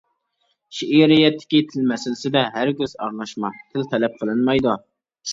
شېئىرىيەتتىكى تىل مەسىلىسىدە، ھەرگىز ئارىلاشما تىل تەلەپ قىلىنمايدۇ.